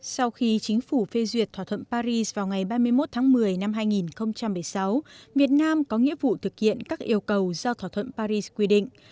sau khi chính phủ phê duyệt thỏa thuận paris vào ngày ba mươi một tháng một mươi năm hai nghìn một mươi sáu việt nam có nghĩa vụ thực hiện các yêu cầu do thỏa thuận paris quy định